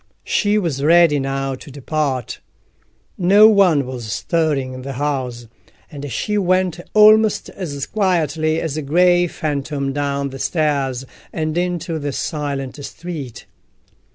She was ready now to depart. No one was stirring in the house, and she went almost as quietly as a grey phantom down the stairs and into the silent street.